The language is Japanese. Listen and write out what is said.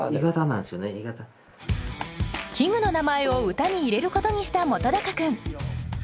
器具の名前を歌に入れることにした本君。